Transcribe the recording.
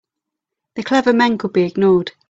The clever men could be ignored.